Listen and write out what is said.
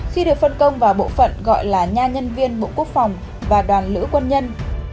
khi được phân công vào bộ phận gọi là nha nhân viên bộ quốc phòng và đoàn lữ quân nhân